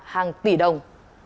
hàng tỷ đồng